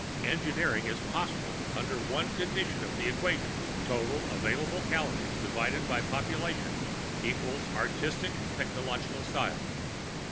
Engineering is possible under one condition of the equation: Total available Calories divided by Population equals Artistic Technological Style.